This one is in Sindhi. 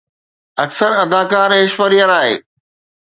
اڪثر اداڪار ايشوريا راءِ